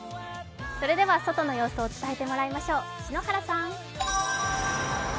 それでは外の様子を伝えてもらいましょう、篠原さん。